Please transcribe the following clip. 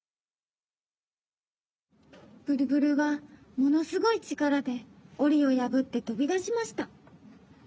ブルブルはものすごいちからでおりをやぶってとびだしました。